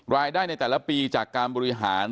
รายได้ในแต่ละปีจากการบริหาร